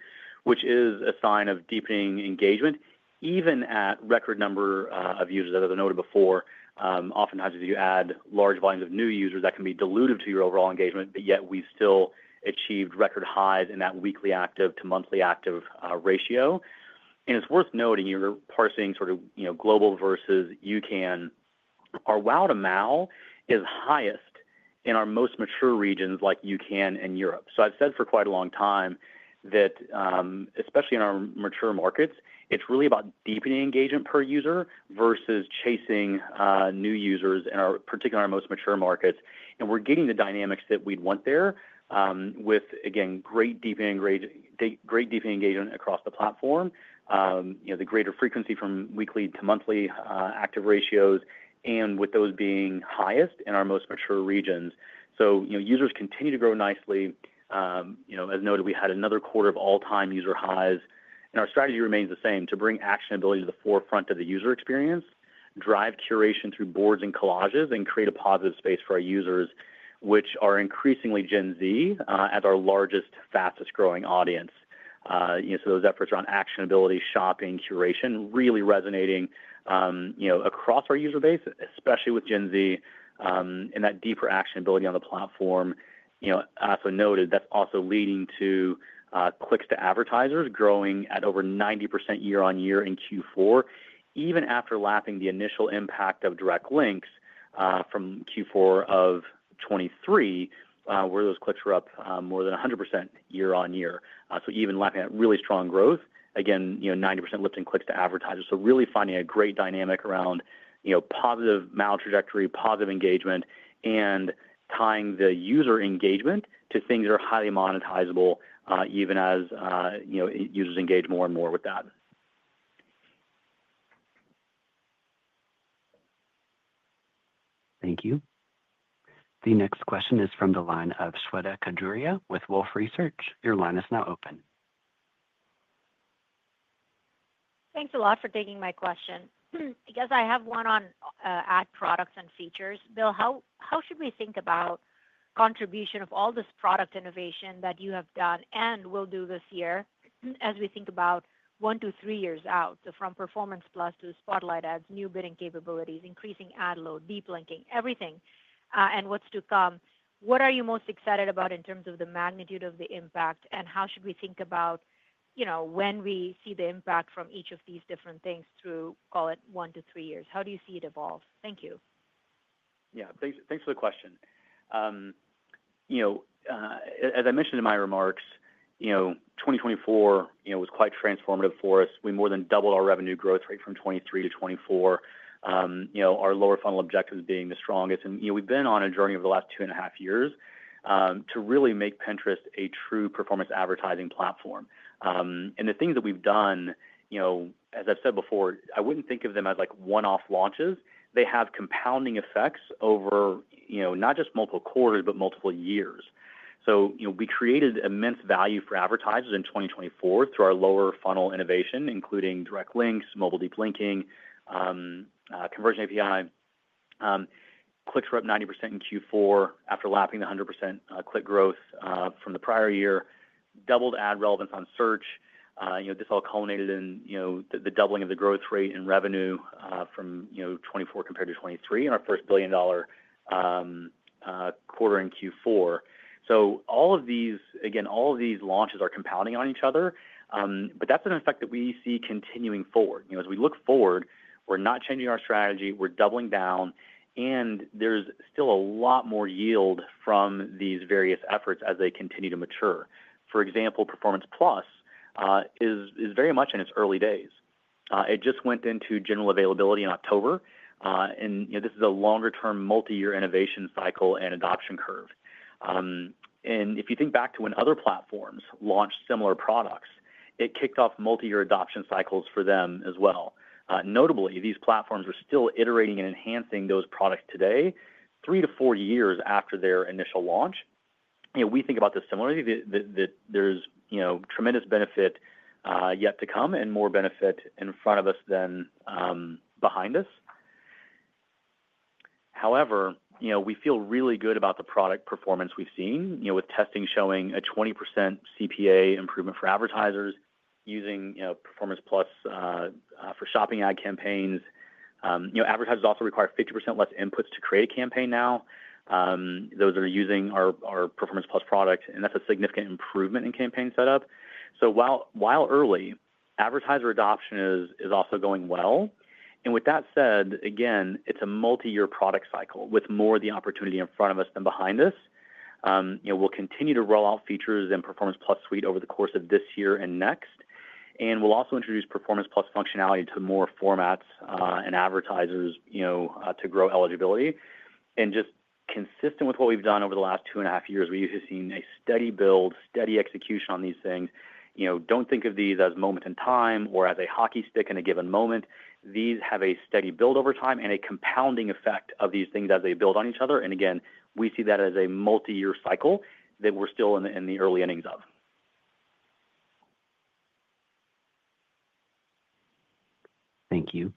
which is a sign of deepening engagement, even at record number of users. As I noted before, oftentimes, if you add large volumes of new users, that can be dilutive to your overall engagement, but yet we've still achieved record highs in that weekly active to monthly active ratio, and it's worth noting you're parsing sort of global versus UCAN. Our WAU to MAU is highest in our most mature regions like UCAN and Europe, so I've said for quite a long time that, especially in our mature markets, it's really about deepening engagement per user versus chasing new users in particular in our most mature markets, and we're getting the dynamics that we'd want there with, again, great deepening engagement across the platform, the greater frequency from WAU to MAU ratios, and with those being highest in our most mature regions, so users continue to grow nicely. As noted, we had another quarter of all-time user highs. Our strategy remains the same: to bring actionability to the forefront of the user experience, drive curation through boards and collages, and create a positive space for our users, which are increasingly Gen Z as our largest, fastest-growing audience. So those efforts around actionability, shopping, curation really resonating across our user base, especially with Gen Z, and that deeper actionability on the platform. As I noted, that's also leading to clicks to advertisers growing at over 90% year-on-year in Q4, even after lapping the initial impact of Direct Links from Q4 of 2023, where those clicks were up more than 100% year-on-year. So even lapping that really strong growth, again, 90% lifting clicks to advertisers. So really finding a great dynamic around positive MAU trajectory, positive engagement, and tying the user engagement to things that are highly monetizable, even as users engage more and more with that. Thank you. The next question is from the line of Shweta Khajuria with Wolfe Research. Your line is now open. Thanks a lot for taking my question. I guess I have one on ad products and features. Bill, how should we think about the contribution of all this product innovation that you have done and will do this year as we think about one to three years out? So from Performance Plus to Spotlight Ads, new bidding capabilities, increasing ad load, deep linking, everything, and what's to come. What are you most excited about in terms of the magnitude of the impact, and how should we think about when we see the impact from each of these different things through, call it, one to three years? How do you see it evolve? Thank you. Yeah. Thanks for the question. As I mentioned in my remarks, 2024 was quite transformative for us. We more than doubled our revenue growth rate from 2023 to 2024, our lower funnel objectives being the strongest. And we've been on a journey over the last two and a half years to really make Pinterest a true performance advertising platform. And the things that we've done, as I've said before, I wouldn't think of them as one-off launches. They have compounding effects over not just multiple quarters, but multiple years. So we created immense value for advertisers in 2024 through our lower funnel innovation, including Direct Links, mobile deep linking, conversion API. Clicks were up 90% in Q4 after lapping the 100% click growth from the prior year. Doubled ad relevance on search. This all culminated in the doubling of the growth rate and revenue from 2024 compared to 2023 in our first billion-dollar quarter in Q4. Again, all of these launches are compounding on each other, but that's an effect that we see continuing forward. As we look forward, we're not changing our strategy. We're doubling down. There's still a lot more yield from these various efforts as they continue to mature. For example, Performance Plus is very much in its early days. It just went into general availability in October. This is a longer-term multi-year innovation cycle and adoption curve. If you think back to when other platforms launched similar products, it kicked off multi-year adoption cycles for them as well. Notably, these platforms are still iterating and enhancing those products today, three to four years after their initial launch. We think about this similarly, that there's tremendous benefit yet to come and more benefit in front of us than behind us. However, we feel really good about the product performance we've seen, with testing showing a 20% CPA improvement for advertisers using Performance Plus for shopping ad campaigns. Advertisers also require 50% less inputs to create a campaign now. Those that are using our Performance Plus product, and that's a significant improvement in campaign setup. So while early, advertiser adoption is also going well. And with that said, again, it's a multi-year product cycle with more of the opportunity in front of us than behind us. We'll continue to roll out features in Performance Plus Suite over the course of this year and next. And we'll also introduce Performance Plus functionality to more formats and advertisers to grow eligibility. And just consistent with what we've done over the last two and a half years, we have seen a steady build, steady execution on these things. Don't think of these as moments in time or as a hockey stick in a given moment. These have a steady build over time and a compounding effect of these things as they build on each other. And again, we see that as a multi-year cycle that we're still in the early innings of. Thank you.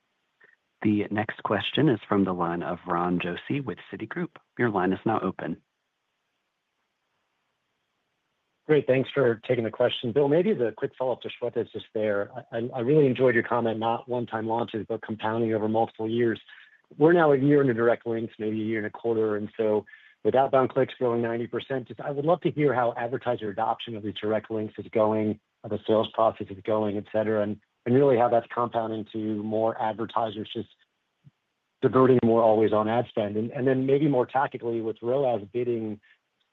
The next question is from the line of Ron Josey with Citigroup. Your line is now open. Great. Thanks for taking the question. Bill, maybe as a quick follow-up to Shweta's just there, I really enjoyed your comment, not one-time launches, but compounding over multiple years. We're now a year into Direct Links, maybe a year and a quarter. And so with outbound clicks growing 90%, I would love to hear how advertiser adoption of these Direct Links is going, how the sales process is going, etc., and really how that's compounding to more advertisers just diverting more always on ad spend. And then maybe more tactically with ROAS bidding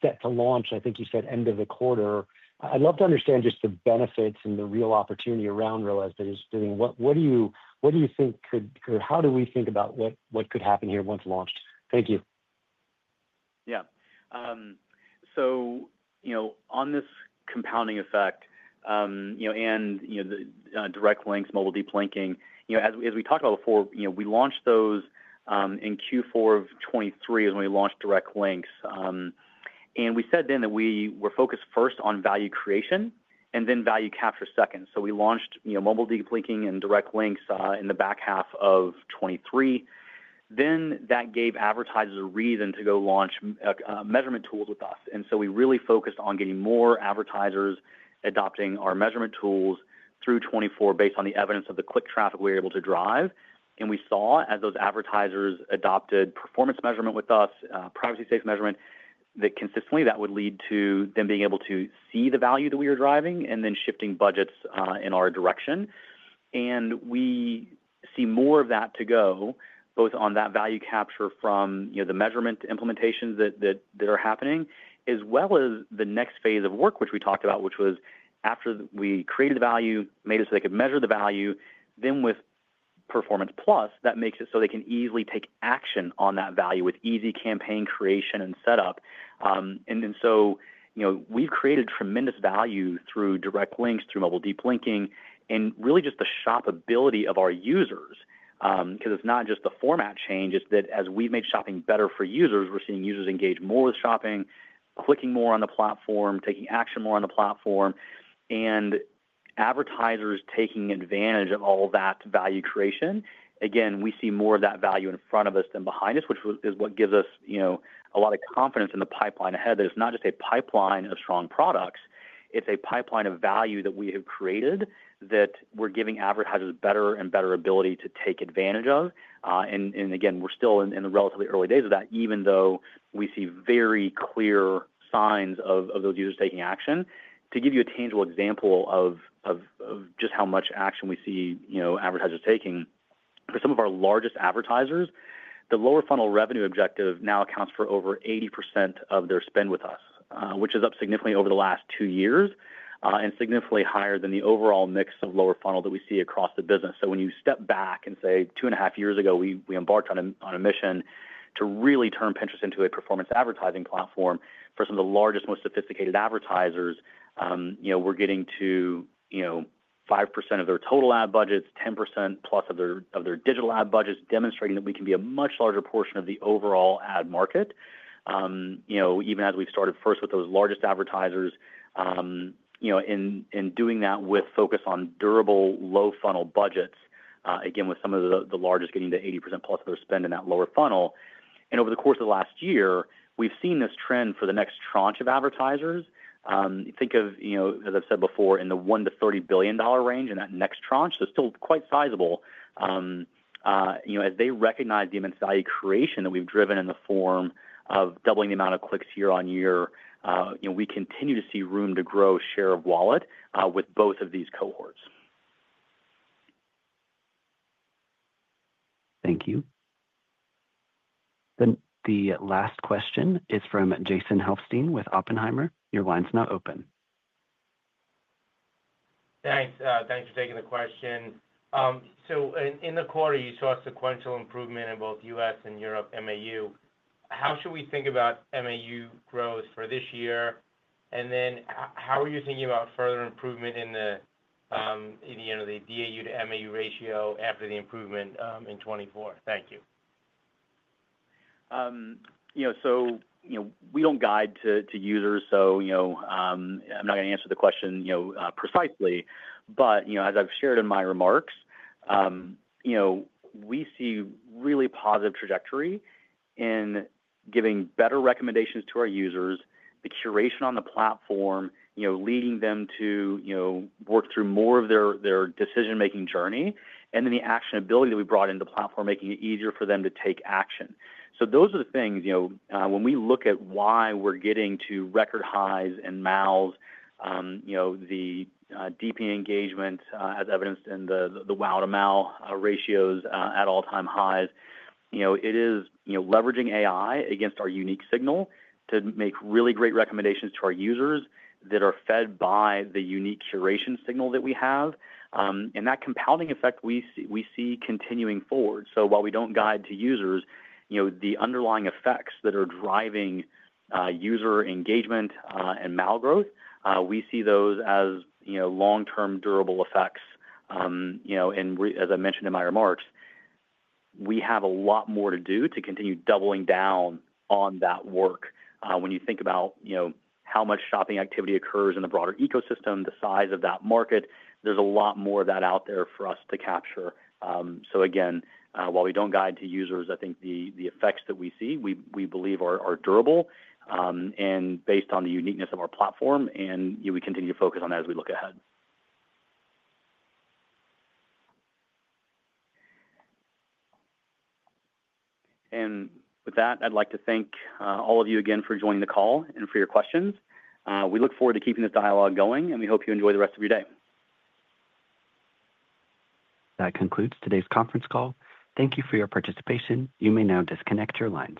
set to launch, I think you said end of the quarter. I'd love to understand just the benefits and the real opportunity around ROAS bidding. What do you think could or how do we think about what could happen here once launched? Thank you. Yeah. So on this compounding effect and Direct Links, mobile deep linking, as we talked about before, we launched those in Q4 of 2023 is when we launched Direct Links. And we said then that we were focused first on value creation and then value capture second. So we launched Mobile Deep Linking and Direct Links in the back half of 2023. Then that gave advertisers a reason to go launch measurement tools with us. And so we really focused on getting more advertisers adopting our measurement tools through 2024 based on the evidence of the click traffic we were able to drive. And we saw as those advertisers adopted performance measurement with us, privacy-based measurement, that consistently that would lead to them being able to see the value that we were driving and then shifting budgets in our direction. And we see more of that to go, both on that value capture from the measurement implementations that are happening, as well as the next phase of work, which we talked about, which was after we created the value, made it so they could measure the value. Then with Performance Plus, that makes it so they can easily take action on that value with easy campaign creation and setup. And so we've created tremendous value through Direct Links, through Mobile Deep Linking, and really just the shoppability of our users. Because it's not just the format change. It's that as we've made shopping better for users, we're seeing users engage more with shopping, clicking more on the platform, taking action more on the platform, and advertisers taking advantage of all that value creation. Again, we see more of that value in front of us than behind us, which is what gives us a lot of confidence in the pipeline ahead that it's not just a pipeline of strong products. It's a pipeline of value that we have created that we're giving advertisers better and better ability to take advantage of. And again, we're still in the relatively early days of that, even though we see very clear signs of those users taking action. To give you a tangible example of just how much action we see advertisers taking, for some of our largest advertisers, the lower funnel revenue objective now accounts for over 80% of their spend with us, which is up significantly over the last two years and significantly higher than the overall mix of lower funnel that we see across the business. So when you step back and say two and a half years ago, we embarked on a mission to really turn Pinterest into a performance advertising platform for some of the largest, most sophisticated advertisers. We're getting to 5% of their total ad budgets, 10% plus of their digital ad budgets, demonstrating that we can be a much larger portion of the overall ad market, even as we've started first with those largest advertisers and doing that with focus on durable lower funnel budgets, again, with some of the largest getting to 80% plus of their spend in that lower funnel, and over the course of the last year, we've seen this trend for the next tranche of advertisers. Think of, as I've said before, in the $1-$30 billion range in that next tranche, so still quite sizable. As they recognize the immense value creation that we've driven in the form of doubling the amount of clicks year-on-year, we continue to see room to grow share of wallet with both of these cohorts. Thank you. Then the last question is from Jason Helfstein with Oppenheimer. Your line's now open. Thanks. Thanks for taking the question. So in the quarter, you saw sequential improvement in both U.S. and Europe MAU. How should we think about MAU growth for this year? And then how are you thinking about further improvement in the DAU to MAU ratio after the improvement in 2024? Thank you. So we don't guide to users, so I'm not going to answer the question precisely. But as I've shared in my remarks, we see really positive trajectory in giving better recommendations to our users, the curation on the platform, leading them to work through more of their decision-making journey, and then the actionability that we brought into platform, making it easier for them to take action. Those are the things when we look at why we're getting to record highs and MAUs, the Deep Engagement as evidenced in the WAU-to-MAU ratios at all-time highs. It is leveraging AI against our unique signal to make really great recommendations to our users that are fed by the unique curation signal that we have. And that compounding effect we see continuing forward. While we don't guide to users, the underlying effects that are driving user engagement and MAU growth, we see those as long-term durable effects. As I mentioned in my remarks, we have a lot more to do to continue doubling down on that work. When you think about how much shopping activity occurs in the broader ecosystem, the size of that market, there's a lot more of that out there for us to capture. So again, while we don't guide to users, I think the effects that we see, we believe are durable and based on the uniqueness of our platform, and we continue to focus on that as we look ahead. And with that, I'd like to thank all of you again for joining the call and for your questions. We look forward to keeping this dialogue going, and we hope you enjoy the rest of your day. That concludes today's conference call. Thank you for your participation. You may now disconnect your lines.